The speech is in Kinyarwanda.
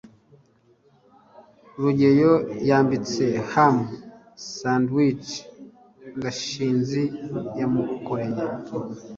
rugeyo yambitse ham sandwich gashinzi yamukoreye